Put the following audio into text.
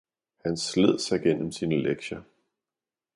han sled sig gennem sine lektier